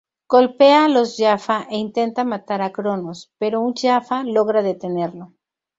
Golpea a los Jaffa e intenta matar a Cronos, pero un Jaffa logra detenerlo.